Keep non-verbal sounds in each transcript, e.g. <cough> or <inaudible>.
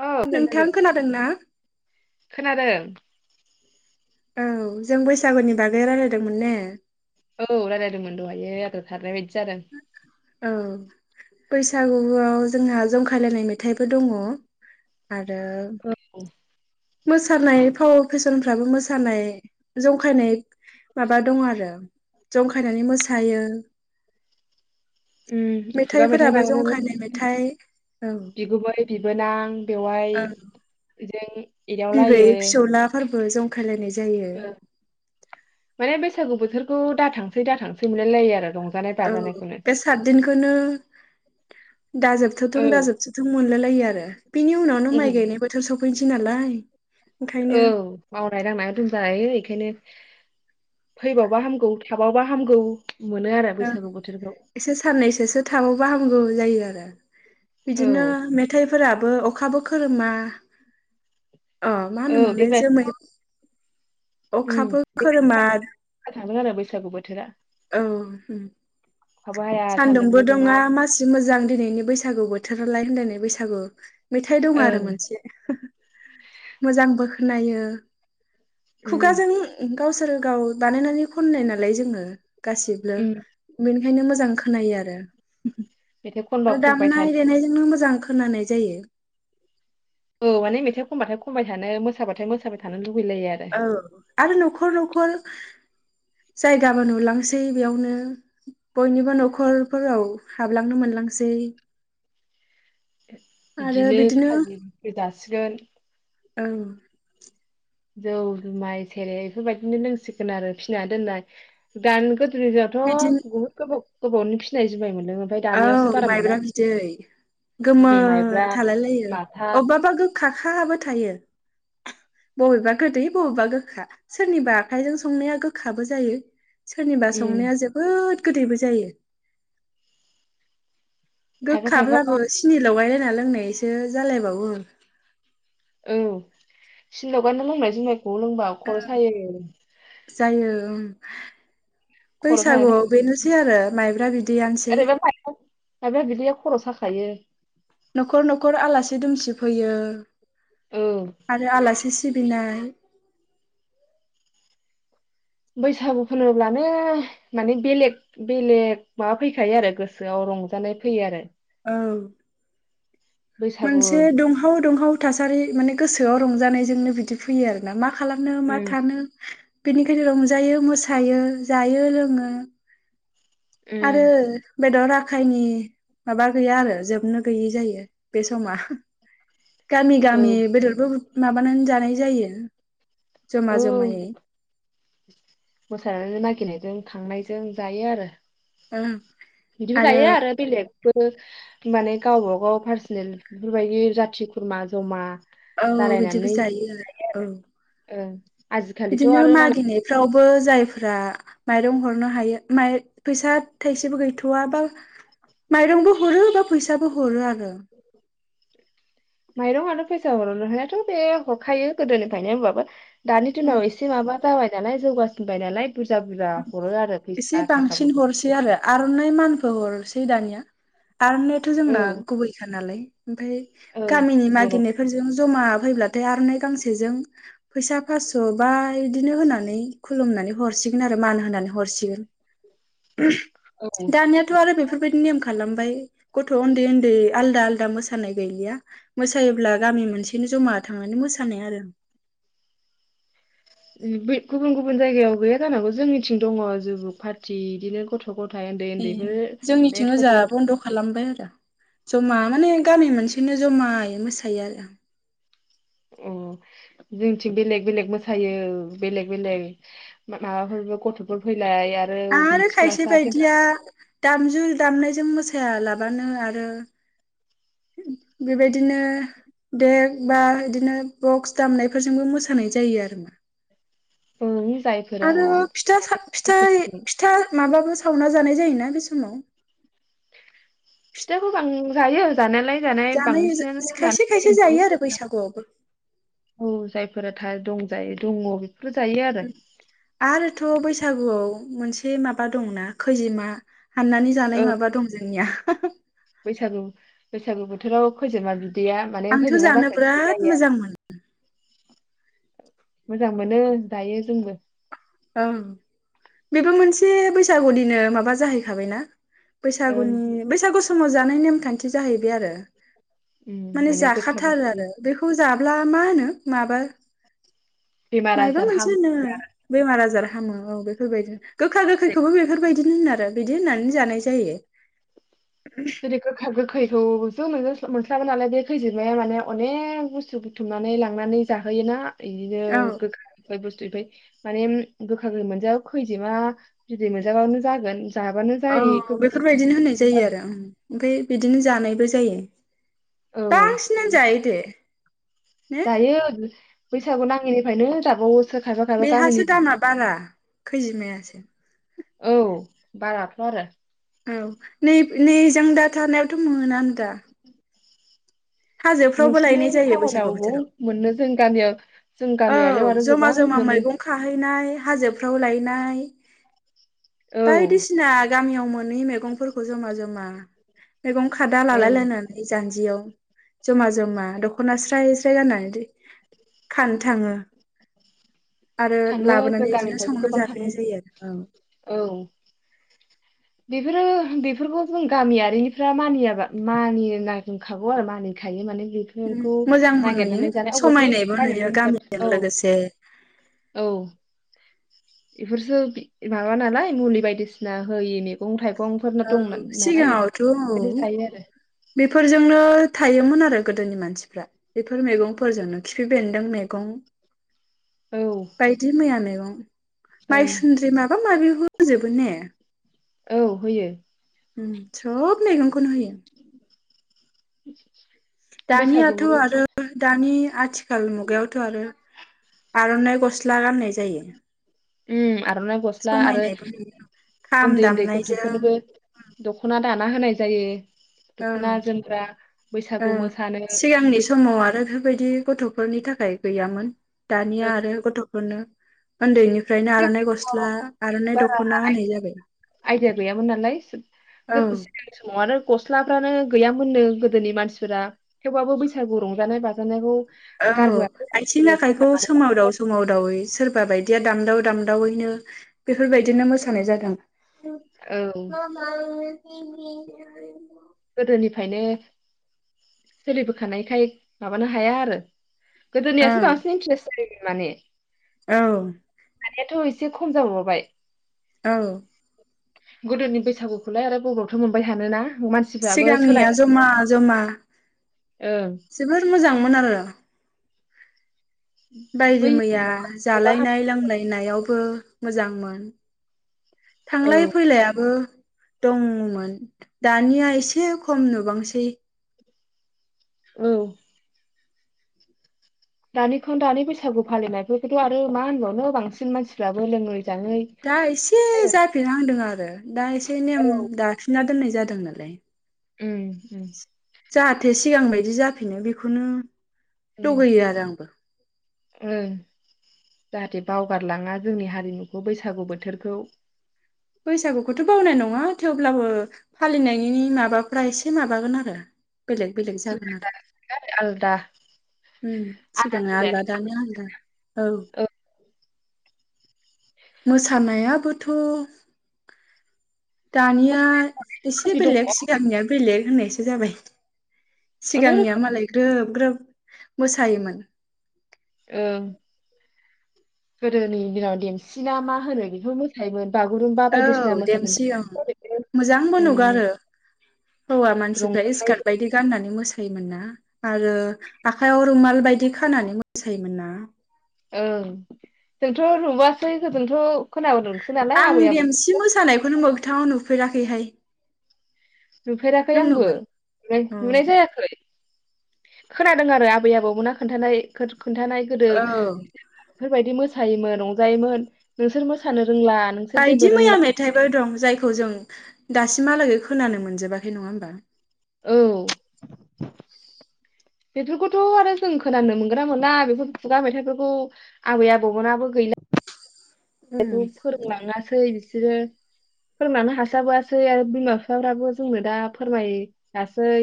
औ खोनादों नोंथां ना? खोनादों। औ जों बैसागुनि बागै राय्लायदोंमोन ने। औ रायजलायदोंमोन द'हायो आद्रा खारनाय बायदि जादों। औ बैसागुआव जोंहा जं। फालिनाय मेथाइबो दङ। आरो। औ मोसानाय फाव फेसनफ्राबो मोसानाय जंखायनाय माबा दं आरो जंखायनानै मोसायो। उम खुगा मेथाइ मेथाइफोराबो जंखायनाय बानायनानै मेथाइ औ बिगुमै बिबोनां बेवाय औ जों बिबै फिसौला फोरबो जं खायलायनाय जायो ओं माने बैसागु बोथोर खौ दाथांसै दा थांसै मोनलायलायो आरो रं औ बे सातदिनखौनो दाजोबथ'थों औ दाजोबथ'थों मोनलाय लायो आरो बिनि उनावनो उम माइ गायनाय बोथोर सफैनोसै नालाय औ ओंखायनो मावनाय दांनाया दुम जायो एखायनो फैबावबा हामगौ थाबावबा हामगौ मोनो आरो औ बैसागु बोथोरखौ एसे साननैसोसो थाबावबा हामगौ जायो आरो औ बिदिनो मेथाइफोरा ओ अखाबो खोरोमा अ मा औ होनोमोनलाय देग्लाय जोमै अखाबो खोरोमा थादों आरो बैसागु बोथोरा औ उम सान्दुंबो दुङा मासि मोजां दिनैनि बैसागु बोथोर लाय होनलायनाय बैसागु मेथाइ दं आरो ओं मोनसे ओहोहो मोजांबो खोनायो उम खुगाजों उ गावसोर गाव बानायनानै खननाय नालाय जोंङो गासिबो उम <unintelligible> ओंखायनो मोजां खोनायो आरो मेथाइ खनबा आरो खनबाय दामनाय थानो देनायजोंनो मोजां खोनानाय जायो औ माने मेथाइ खनबाथाय खनबाय थानो मोसाबाथाय मोसाबाय थानो लु औ आरो न'खर न'खर जायगाबो नुलांसै बेयावनो बयनिबो न'खरफोराव हाबलांनो मोनलांसै बिदिनो खाजि बो जासिगोन औ जौ जुमाय सेरेब बेफोरबायदिनो लोंसिगोन आरो फिसिना दोननाय दानि गो <unintelligible> जाथ' बिदिनो बहुत गोबाव गोबावनि फिसिनाय जुमाय मोन औ माइब्रा बिदै गोमो आरो। उम माइब्रा थालाय लायो माथा अबबा बा गोग्खा खाबो थायो। बबेबा गोदै बबेबा गोखा सोरनिबा आखाइजों संनाया गोखाबो जायो। सोरनिबा उम संनाया जोबोद गोदैबो जायो। खायफा खायफा गोखाब्लाबो सिनि लगायलाय ना लोंनायसो जालायबावो। औ सिनि लगायना लोंनाय जुमाय खौ लोंबा खर' सायोनो। जायो बैसागुआव बेनोसै आरो माइब्रा बिदैयानोसै। खायो। न'खर न'खर आलासि दुमसि फैयो। औ आरो आलासि सिबिनाय बैसागु फोर्मोब्लानो माने बेलेग बेलेग माबा फैखायो आरो गोसोआव रंजानाय फैयो आरो। औ बैसागु मोनसे दुंहाव दुंहाव थासारि माने गोसोआव रंजानायजोंनो बिदि फैयो आरोना मा खालामनो मा उम थानो। बेनिखायनो रंजायो मोसायो जायो लोङो। उम आरो बेदर आखाइनि माबा गैया आरो जोबनो गैयि जायो बे समा। गामि औ गामि बेदरफोर बानान जानाय जायो जमा औ जमायै। मोसानानै नागिरनायजों खांनायजों जायो आरो। ओं बिदिबो जायो आरो बेलेगबो बि माने गावबागाव पार्सनेल बेफोरबायदि जाथि खुरमा जमा औ बिदिबो जालायनानै जायो आरो औ ओं आजिखालिथ' बिदिनो आरो मा होनो मागिनायफ्रावबो जायफ्रा माइरं हरनो हायो माय फैसा थाइसेबो गैथ'व बा माइरंबो हरो बा फैसाबो हरो आरो। माइरं आरो फैसा हर हानायाथ' बे हरखायो गोदोनिफ्रायनो होनबाबो दानि औ दिनाव एसे माबा जाबाय नालाय जौगासिनबाय नालाय। बुरजा बुरजा हरो आरो एसे फैसा बांसिन थाखाफोरखौ हरसै आरो आर'नाइ मान फहलसै दानिया। आर'नायाथ' औ जोंना गुबैखा नालाय। ओमफ्राय औ गामिनि बर' औ मागिरनायफोरजों जमा फैब्लाथाय आर'नाय गांसेजों फैसा फास्स' बा इदिनो होनानै खुलुमनानै हरसिग आरो मान होनानै हरसिगोन। <unintelligible> दानियाथ' आरो बेफोरबायदि नेम खालामबाय गथ' उन्दै उन्दै आलदा आलदा मोसानाय गैलिया। मोसायोब्ला गामि मोनसेनो जमा थांनानै मोसानाय आरो। उम बै गुबुन गुबुन जायगायाव गैया जानांगौ जोंनिथिं दङ जुगु पार्टि इदिनो गथ' गथाय उन्दै ए उन्दैफोर बे जोंनिथिं ओजा थबल बन्द' खालामबाय आरो। जमा माने गामि मोनसेनो जमायै मोसायो आरो। अ जोंथिं बेलेग बेलेग मोसायो बेलेग बेलेग माबाफोरबो गथ'फोर फै आरो खायसे बायदिया दामजु दामनायजों मोसायालाबानो आरो बेबायदिनो देक बा इदिनो बक्स दामनायफोरजोंबो मोसानाय जायो आरोमा। ओं जायफोरा आरो फिथा सा फिथाइ फिथा माबाबो सावना जानाय जायोना बे समाव। फिथाखौ बां जायो जानायालाय। जानाय खायसे खायसे जायो आरो बैसागुआवबो। औ जायफोरा था दंजायो दङ। बेफोर जायो आरो आरोथ' बैसागुआव मोनसे माबा दंना खैजिमा। हाननानै औ जानाय माबा दं जोंनिया <unintelligible> बैसागु बैसागु बोथोराव खैजोमा बि आंथ' जानो बिराद मोजां मोनो। मोजां मोनो जायो जोंबो। ओं बेबो मोनसे बैसागुनिनो माबा जाहैखाबायना? ओं बैसागुनि बैसागु समाव जानाय नेमखान्थि दि जाहैबाय आरो। उम माने गोखा जाखाथारो गोखै आरो बेखौ जा ब्ला मा होनो? माबा बेमार मायबा आजार हामो मोनसेनो। बेमार आजार हामो औ। बैफोरबायदिनो। गोखा गोखैखौबो बेफोरबायदिनो होनो दा बिदि होननानै जानाय जायो। जेरै- गोखा गोखै औ जोमै जास्ला मोनस्लाबा नालाय बे खैजोमाया माने अनेक बुस्थु बुथुमनानै लांनानै जाहोयोना औ बिदिनो <unintelligible> बुस <unintelligible> माने गोखा गोखै मोनजाया खैजोमा बिदै मोनजाबानो जागोन जाबानो औ जायो इखौ बेफोरबायदिनो होननाय जायो आरो ओम <unintelligible> बिदिनो जानायबो जायो। औ गासिबनानो जायो दे। ने दायो बैसागु नाङै फ्रायनो जाबावोस बेहासो दामा बारा खैजोमायासो औ बाराथ' आरो औ नै नैजों दा थानायावथ' मोनानो दा हाजोफ्रावबो नोंसिनि लायनाय जायो बैसागु टाउनाव अबाव बोथोराव मोननो जों गामियाव जों औ गामियारियाव आरो जमा गोबां जमा मोनो मैगं खाहैनाय हाजोफ्राव लायनाय औ बायदिसिना गामियाव मोन नैनो मैगंफोरखौ जमा जमा मैगं खादा ओं लालायलायनानै जान्जियाव जमा जमा दख'ना स्राय स्राय गाननानै खानो थाङो आरो थाङो जों लाबोनानै इदिनो गामिनिफ्रायबो संनानै गोबां थाङो जाफैनाय जायो औ फोरो बेफोरखौ जों गामियारिनिफ्रा मानियाबा मानिनांखागौ आरो मानिखायो माने ओम बेफोरखौ मोजांबो नुयो नागिरनानै जानाय अबावथ' समायनायबो नुयो बायनानै जाबाय गामिजों औ लोगोसे औ इफोरसो माबा नालाय मुलि बायदिसिना होयि मैगं थाइगं औ सिगाङावथ' औ जायो आरो बेफोरजोंनो थायोमोन आरो गोदोनि मानसिफ्रा बेफोर मैगंफोरजोंनो खिफि बेन्दों मेगं औ बायदि मैया मेगं <unintelligible> ओं माइसुन्द्रि माबा माबि होजोबो ने औ होयो ओ सब मैगंखौनो होयो <inaudible> बैसागु दानियाथ' आरो दानि आथिखाल मुगायावथ' आरो आर'नाइ गस्ला गाननायजों जायो। उम आरनाय गस्ला आरो समायनायबो नुयो खाम उन्दै उन्दै दामनायजों गथ'फोरनोबो दखना दाना होनाय जायो। औ दख'ना जोमग्रा औ बैसागु मोसानो सिगांनि समाव आरो बिफोरबायदि गथ'फोरनि थाखाय गैयामोन। दानिया आरो गथ' मोनो उन्दैनि बारा होनाय जाबाय आइदिया गैयामोन नालाय औ गो गो सिगां समाव आरो गस्लाफ्रानो गैयामोननो गोदोनि मानसिफोरा थेवबाबो बैसागु रंजानाय बाजानायखौ औ गारबोआखै आथिं बिसोरो आखाइखौ फोथांनानै सोमावदाव लाखिबाय। सोमावदावै सोरबा सोरबा बायदिया दामदाव दामदावैनो बेफोरबायदिनो मोसानाय जादों। औ <unintelligible> <unintelligible> गोदोनिफ्रायनो सोलिबोखानायखाय माबानो हाया आरो गोदोनि आसो ओं बांसिन <unintelligible> माने औ दानिआथ' एसे खम जाबावबाय। औ। गोदोनि बैसागुखौलाय आरो बबावयावथ' मोनबाय थानोना सिगांनिया जमा जमा ओं जोबोर मोजांमोन आरो बायदि बै मैया माबा जालायनाय लोंलायनायावबो मोजांमोन। थांलाय औ फैलायाबो दंमोन दानिया एसे खम नुबांसै। औ। दानिखौ दानि बैसागु फालिनायफोरखौथ' आरो मा होनबावनो बांसिन मानसिफ्राबो लोङो दा एसे जाफिनहांदों आरो। दाइसेन औ फोननाय जादों नालाय। उम उम जाहाथे सिगां बायदि जाफिनो बेखौनो लुगैयो आरो आंबो ओ जाहाथे बावगारलाङा जोंनि हारिमुखौ बैसागु बोथोरखौ बैसागुखौथ' बावनाय नङा थेवब्लाबो फालिनायनि माबाफ्रा एसे माबागोन आरो बेलेग बेलेग जुदाया जागोन आरो आरो आलदा उम आदा सिगांना आलदा जुदायाथ' दानिया आलदा औ मोसानायाबोथ' दानिया मोसानाय एसे रोखोमनि दङ बेलेग सिगांनिया बेलेग होननायसो जाबाय अनेक सिगांनिया रोखोम मालाय ग्रोब ग्रोब मोसायोमोन ओं गोदोनि दिनाव देमसिना मा होनो बेखौ मोसायोमोन बागुरुम्बा बायदिसिना औ मोसायोमोन देमसि ओं मोजांबो ओम नुगारो हौवा मानसिफ्रा रंजानाय स्कार्ट बायदि गाननानै मोसा मोसायोमोन ना आरो आखाइयाव रुमाल बायदि खानानै मोसायोमोन ना ओं जोंथ' नुबोयासै होजोंथ' खोनाबोदों आं देमसि मोसानायखौनो मोगथांआव नुबो फोराखैहाय नुफेराखै आंबो फ्राय औ नुनाय जायाखै खोनादों आरो आबै आबौमोनना खोन्थानाय खोथा खोन्थानाय गोदो <inaudible> बायदि मोसायोमोन रजायोमोन नोंसोर मोसानो रोंला नोंसोर जेबो बायदि मैया रोंला मेथाइफोर दं जायखौ जों दासिमहालागै खोनानो मोनजोबाखै नङा होमबा औ <unintelligible> बेफोरखौथ' आरो जों खोनानो मोनगोना मोनला बेफोर खुगा मेथाइफोरखौ आबै आबौमोनाबो गैला उम <inaudible> फोरोंलाङा थै बिसोरो फोरोंलांनो हास्लाबासै आरो बिमा बिफाफ्राबो जोंनो दा फोरमायासै।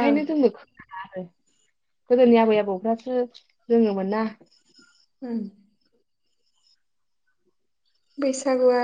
औ जोंनो आरो गोदोनि आबै आबौफ्रासो रोङोमोनना उम बैसागुआ